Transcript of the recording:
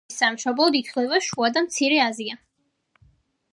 ნესვის სამშობლოდ ითვლება შუა და მცირე აზია.